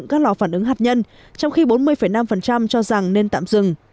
các lò phản ứng hạt nhân trong khi bốn mươi năm cho rằng nên tạm dừng